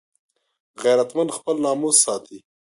غیرتمند خپل ناموس ساتي